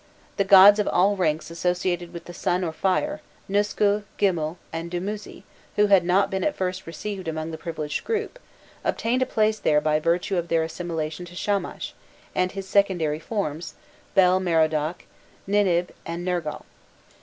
The gods of all ranks associated with the sun or fire, Nusku, Gibil, and Dumuzi, who had not been at first received among the privileged group, obtained a place there by virtue of their assimilation to Shamash, and his secondary forms, Bel Merodach, Ninib, and Nergal.